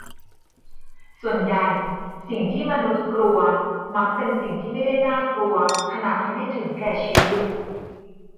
ส่วนใหญ่สิ่งที่มนุษย์กลัวมักเป็นสิ่งที่ไม่ได้น่ากลัวขนาดทำให้ถึงแก่ชีวิต